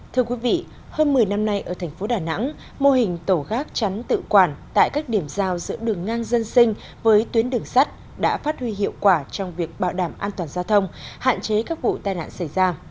thưa quý vị hơn một mươi năm nay ở thành phố đà nẵng mô hình tổ gác chắn tự quản tại các điểm giao giữa đường ngang dân sinh với tuyến đường sắt đã phát huy hiệu quả trong việc bảo đảm an toàn giao thông hạn chế các vụ tai nạn xảy ra